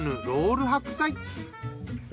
ロール白菜。